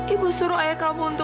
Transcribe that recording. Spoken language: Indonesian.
ibu suruh ayah kamu untuk